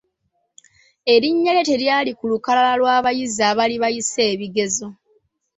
Erinnya lye telyali ku lukalala lw'abayizi abaali bayisse ebigezo.